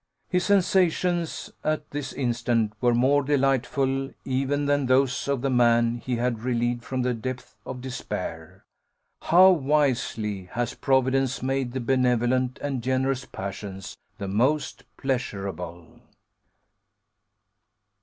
His sensations at this instant were more delightful even than those of the man he had relieved from the depth of despair. How wisely has Providence made the benevolent and generous passions the most pleasurable!